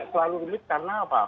selalu rumit karena apa